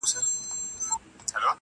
o دنيا دوې ورځي ده٫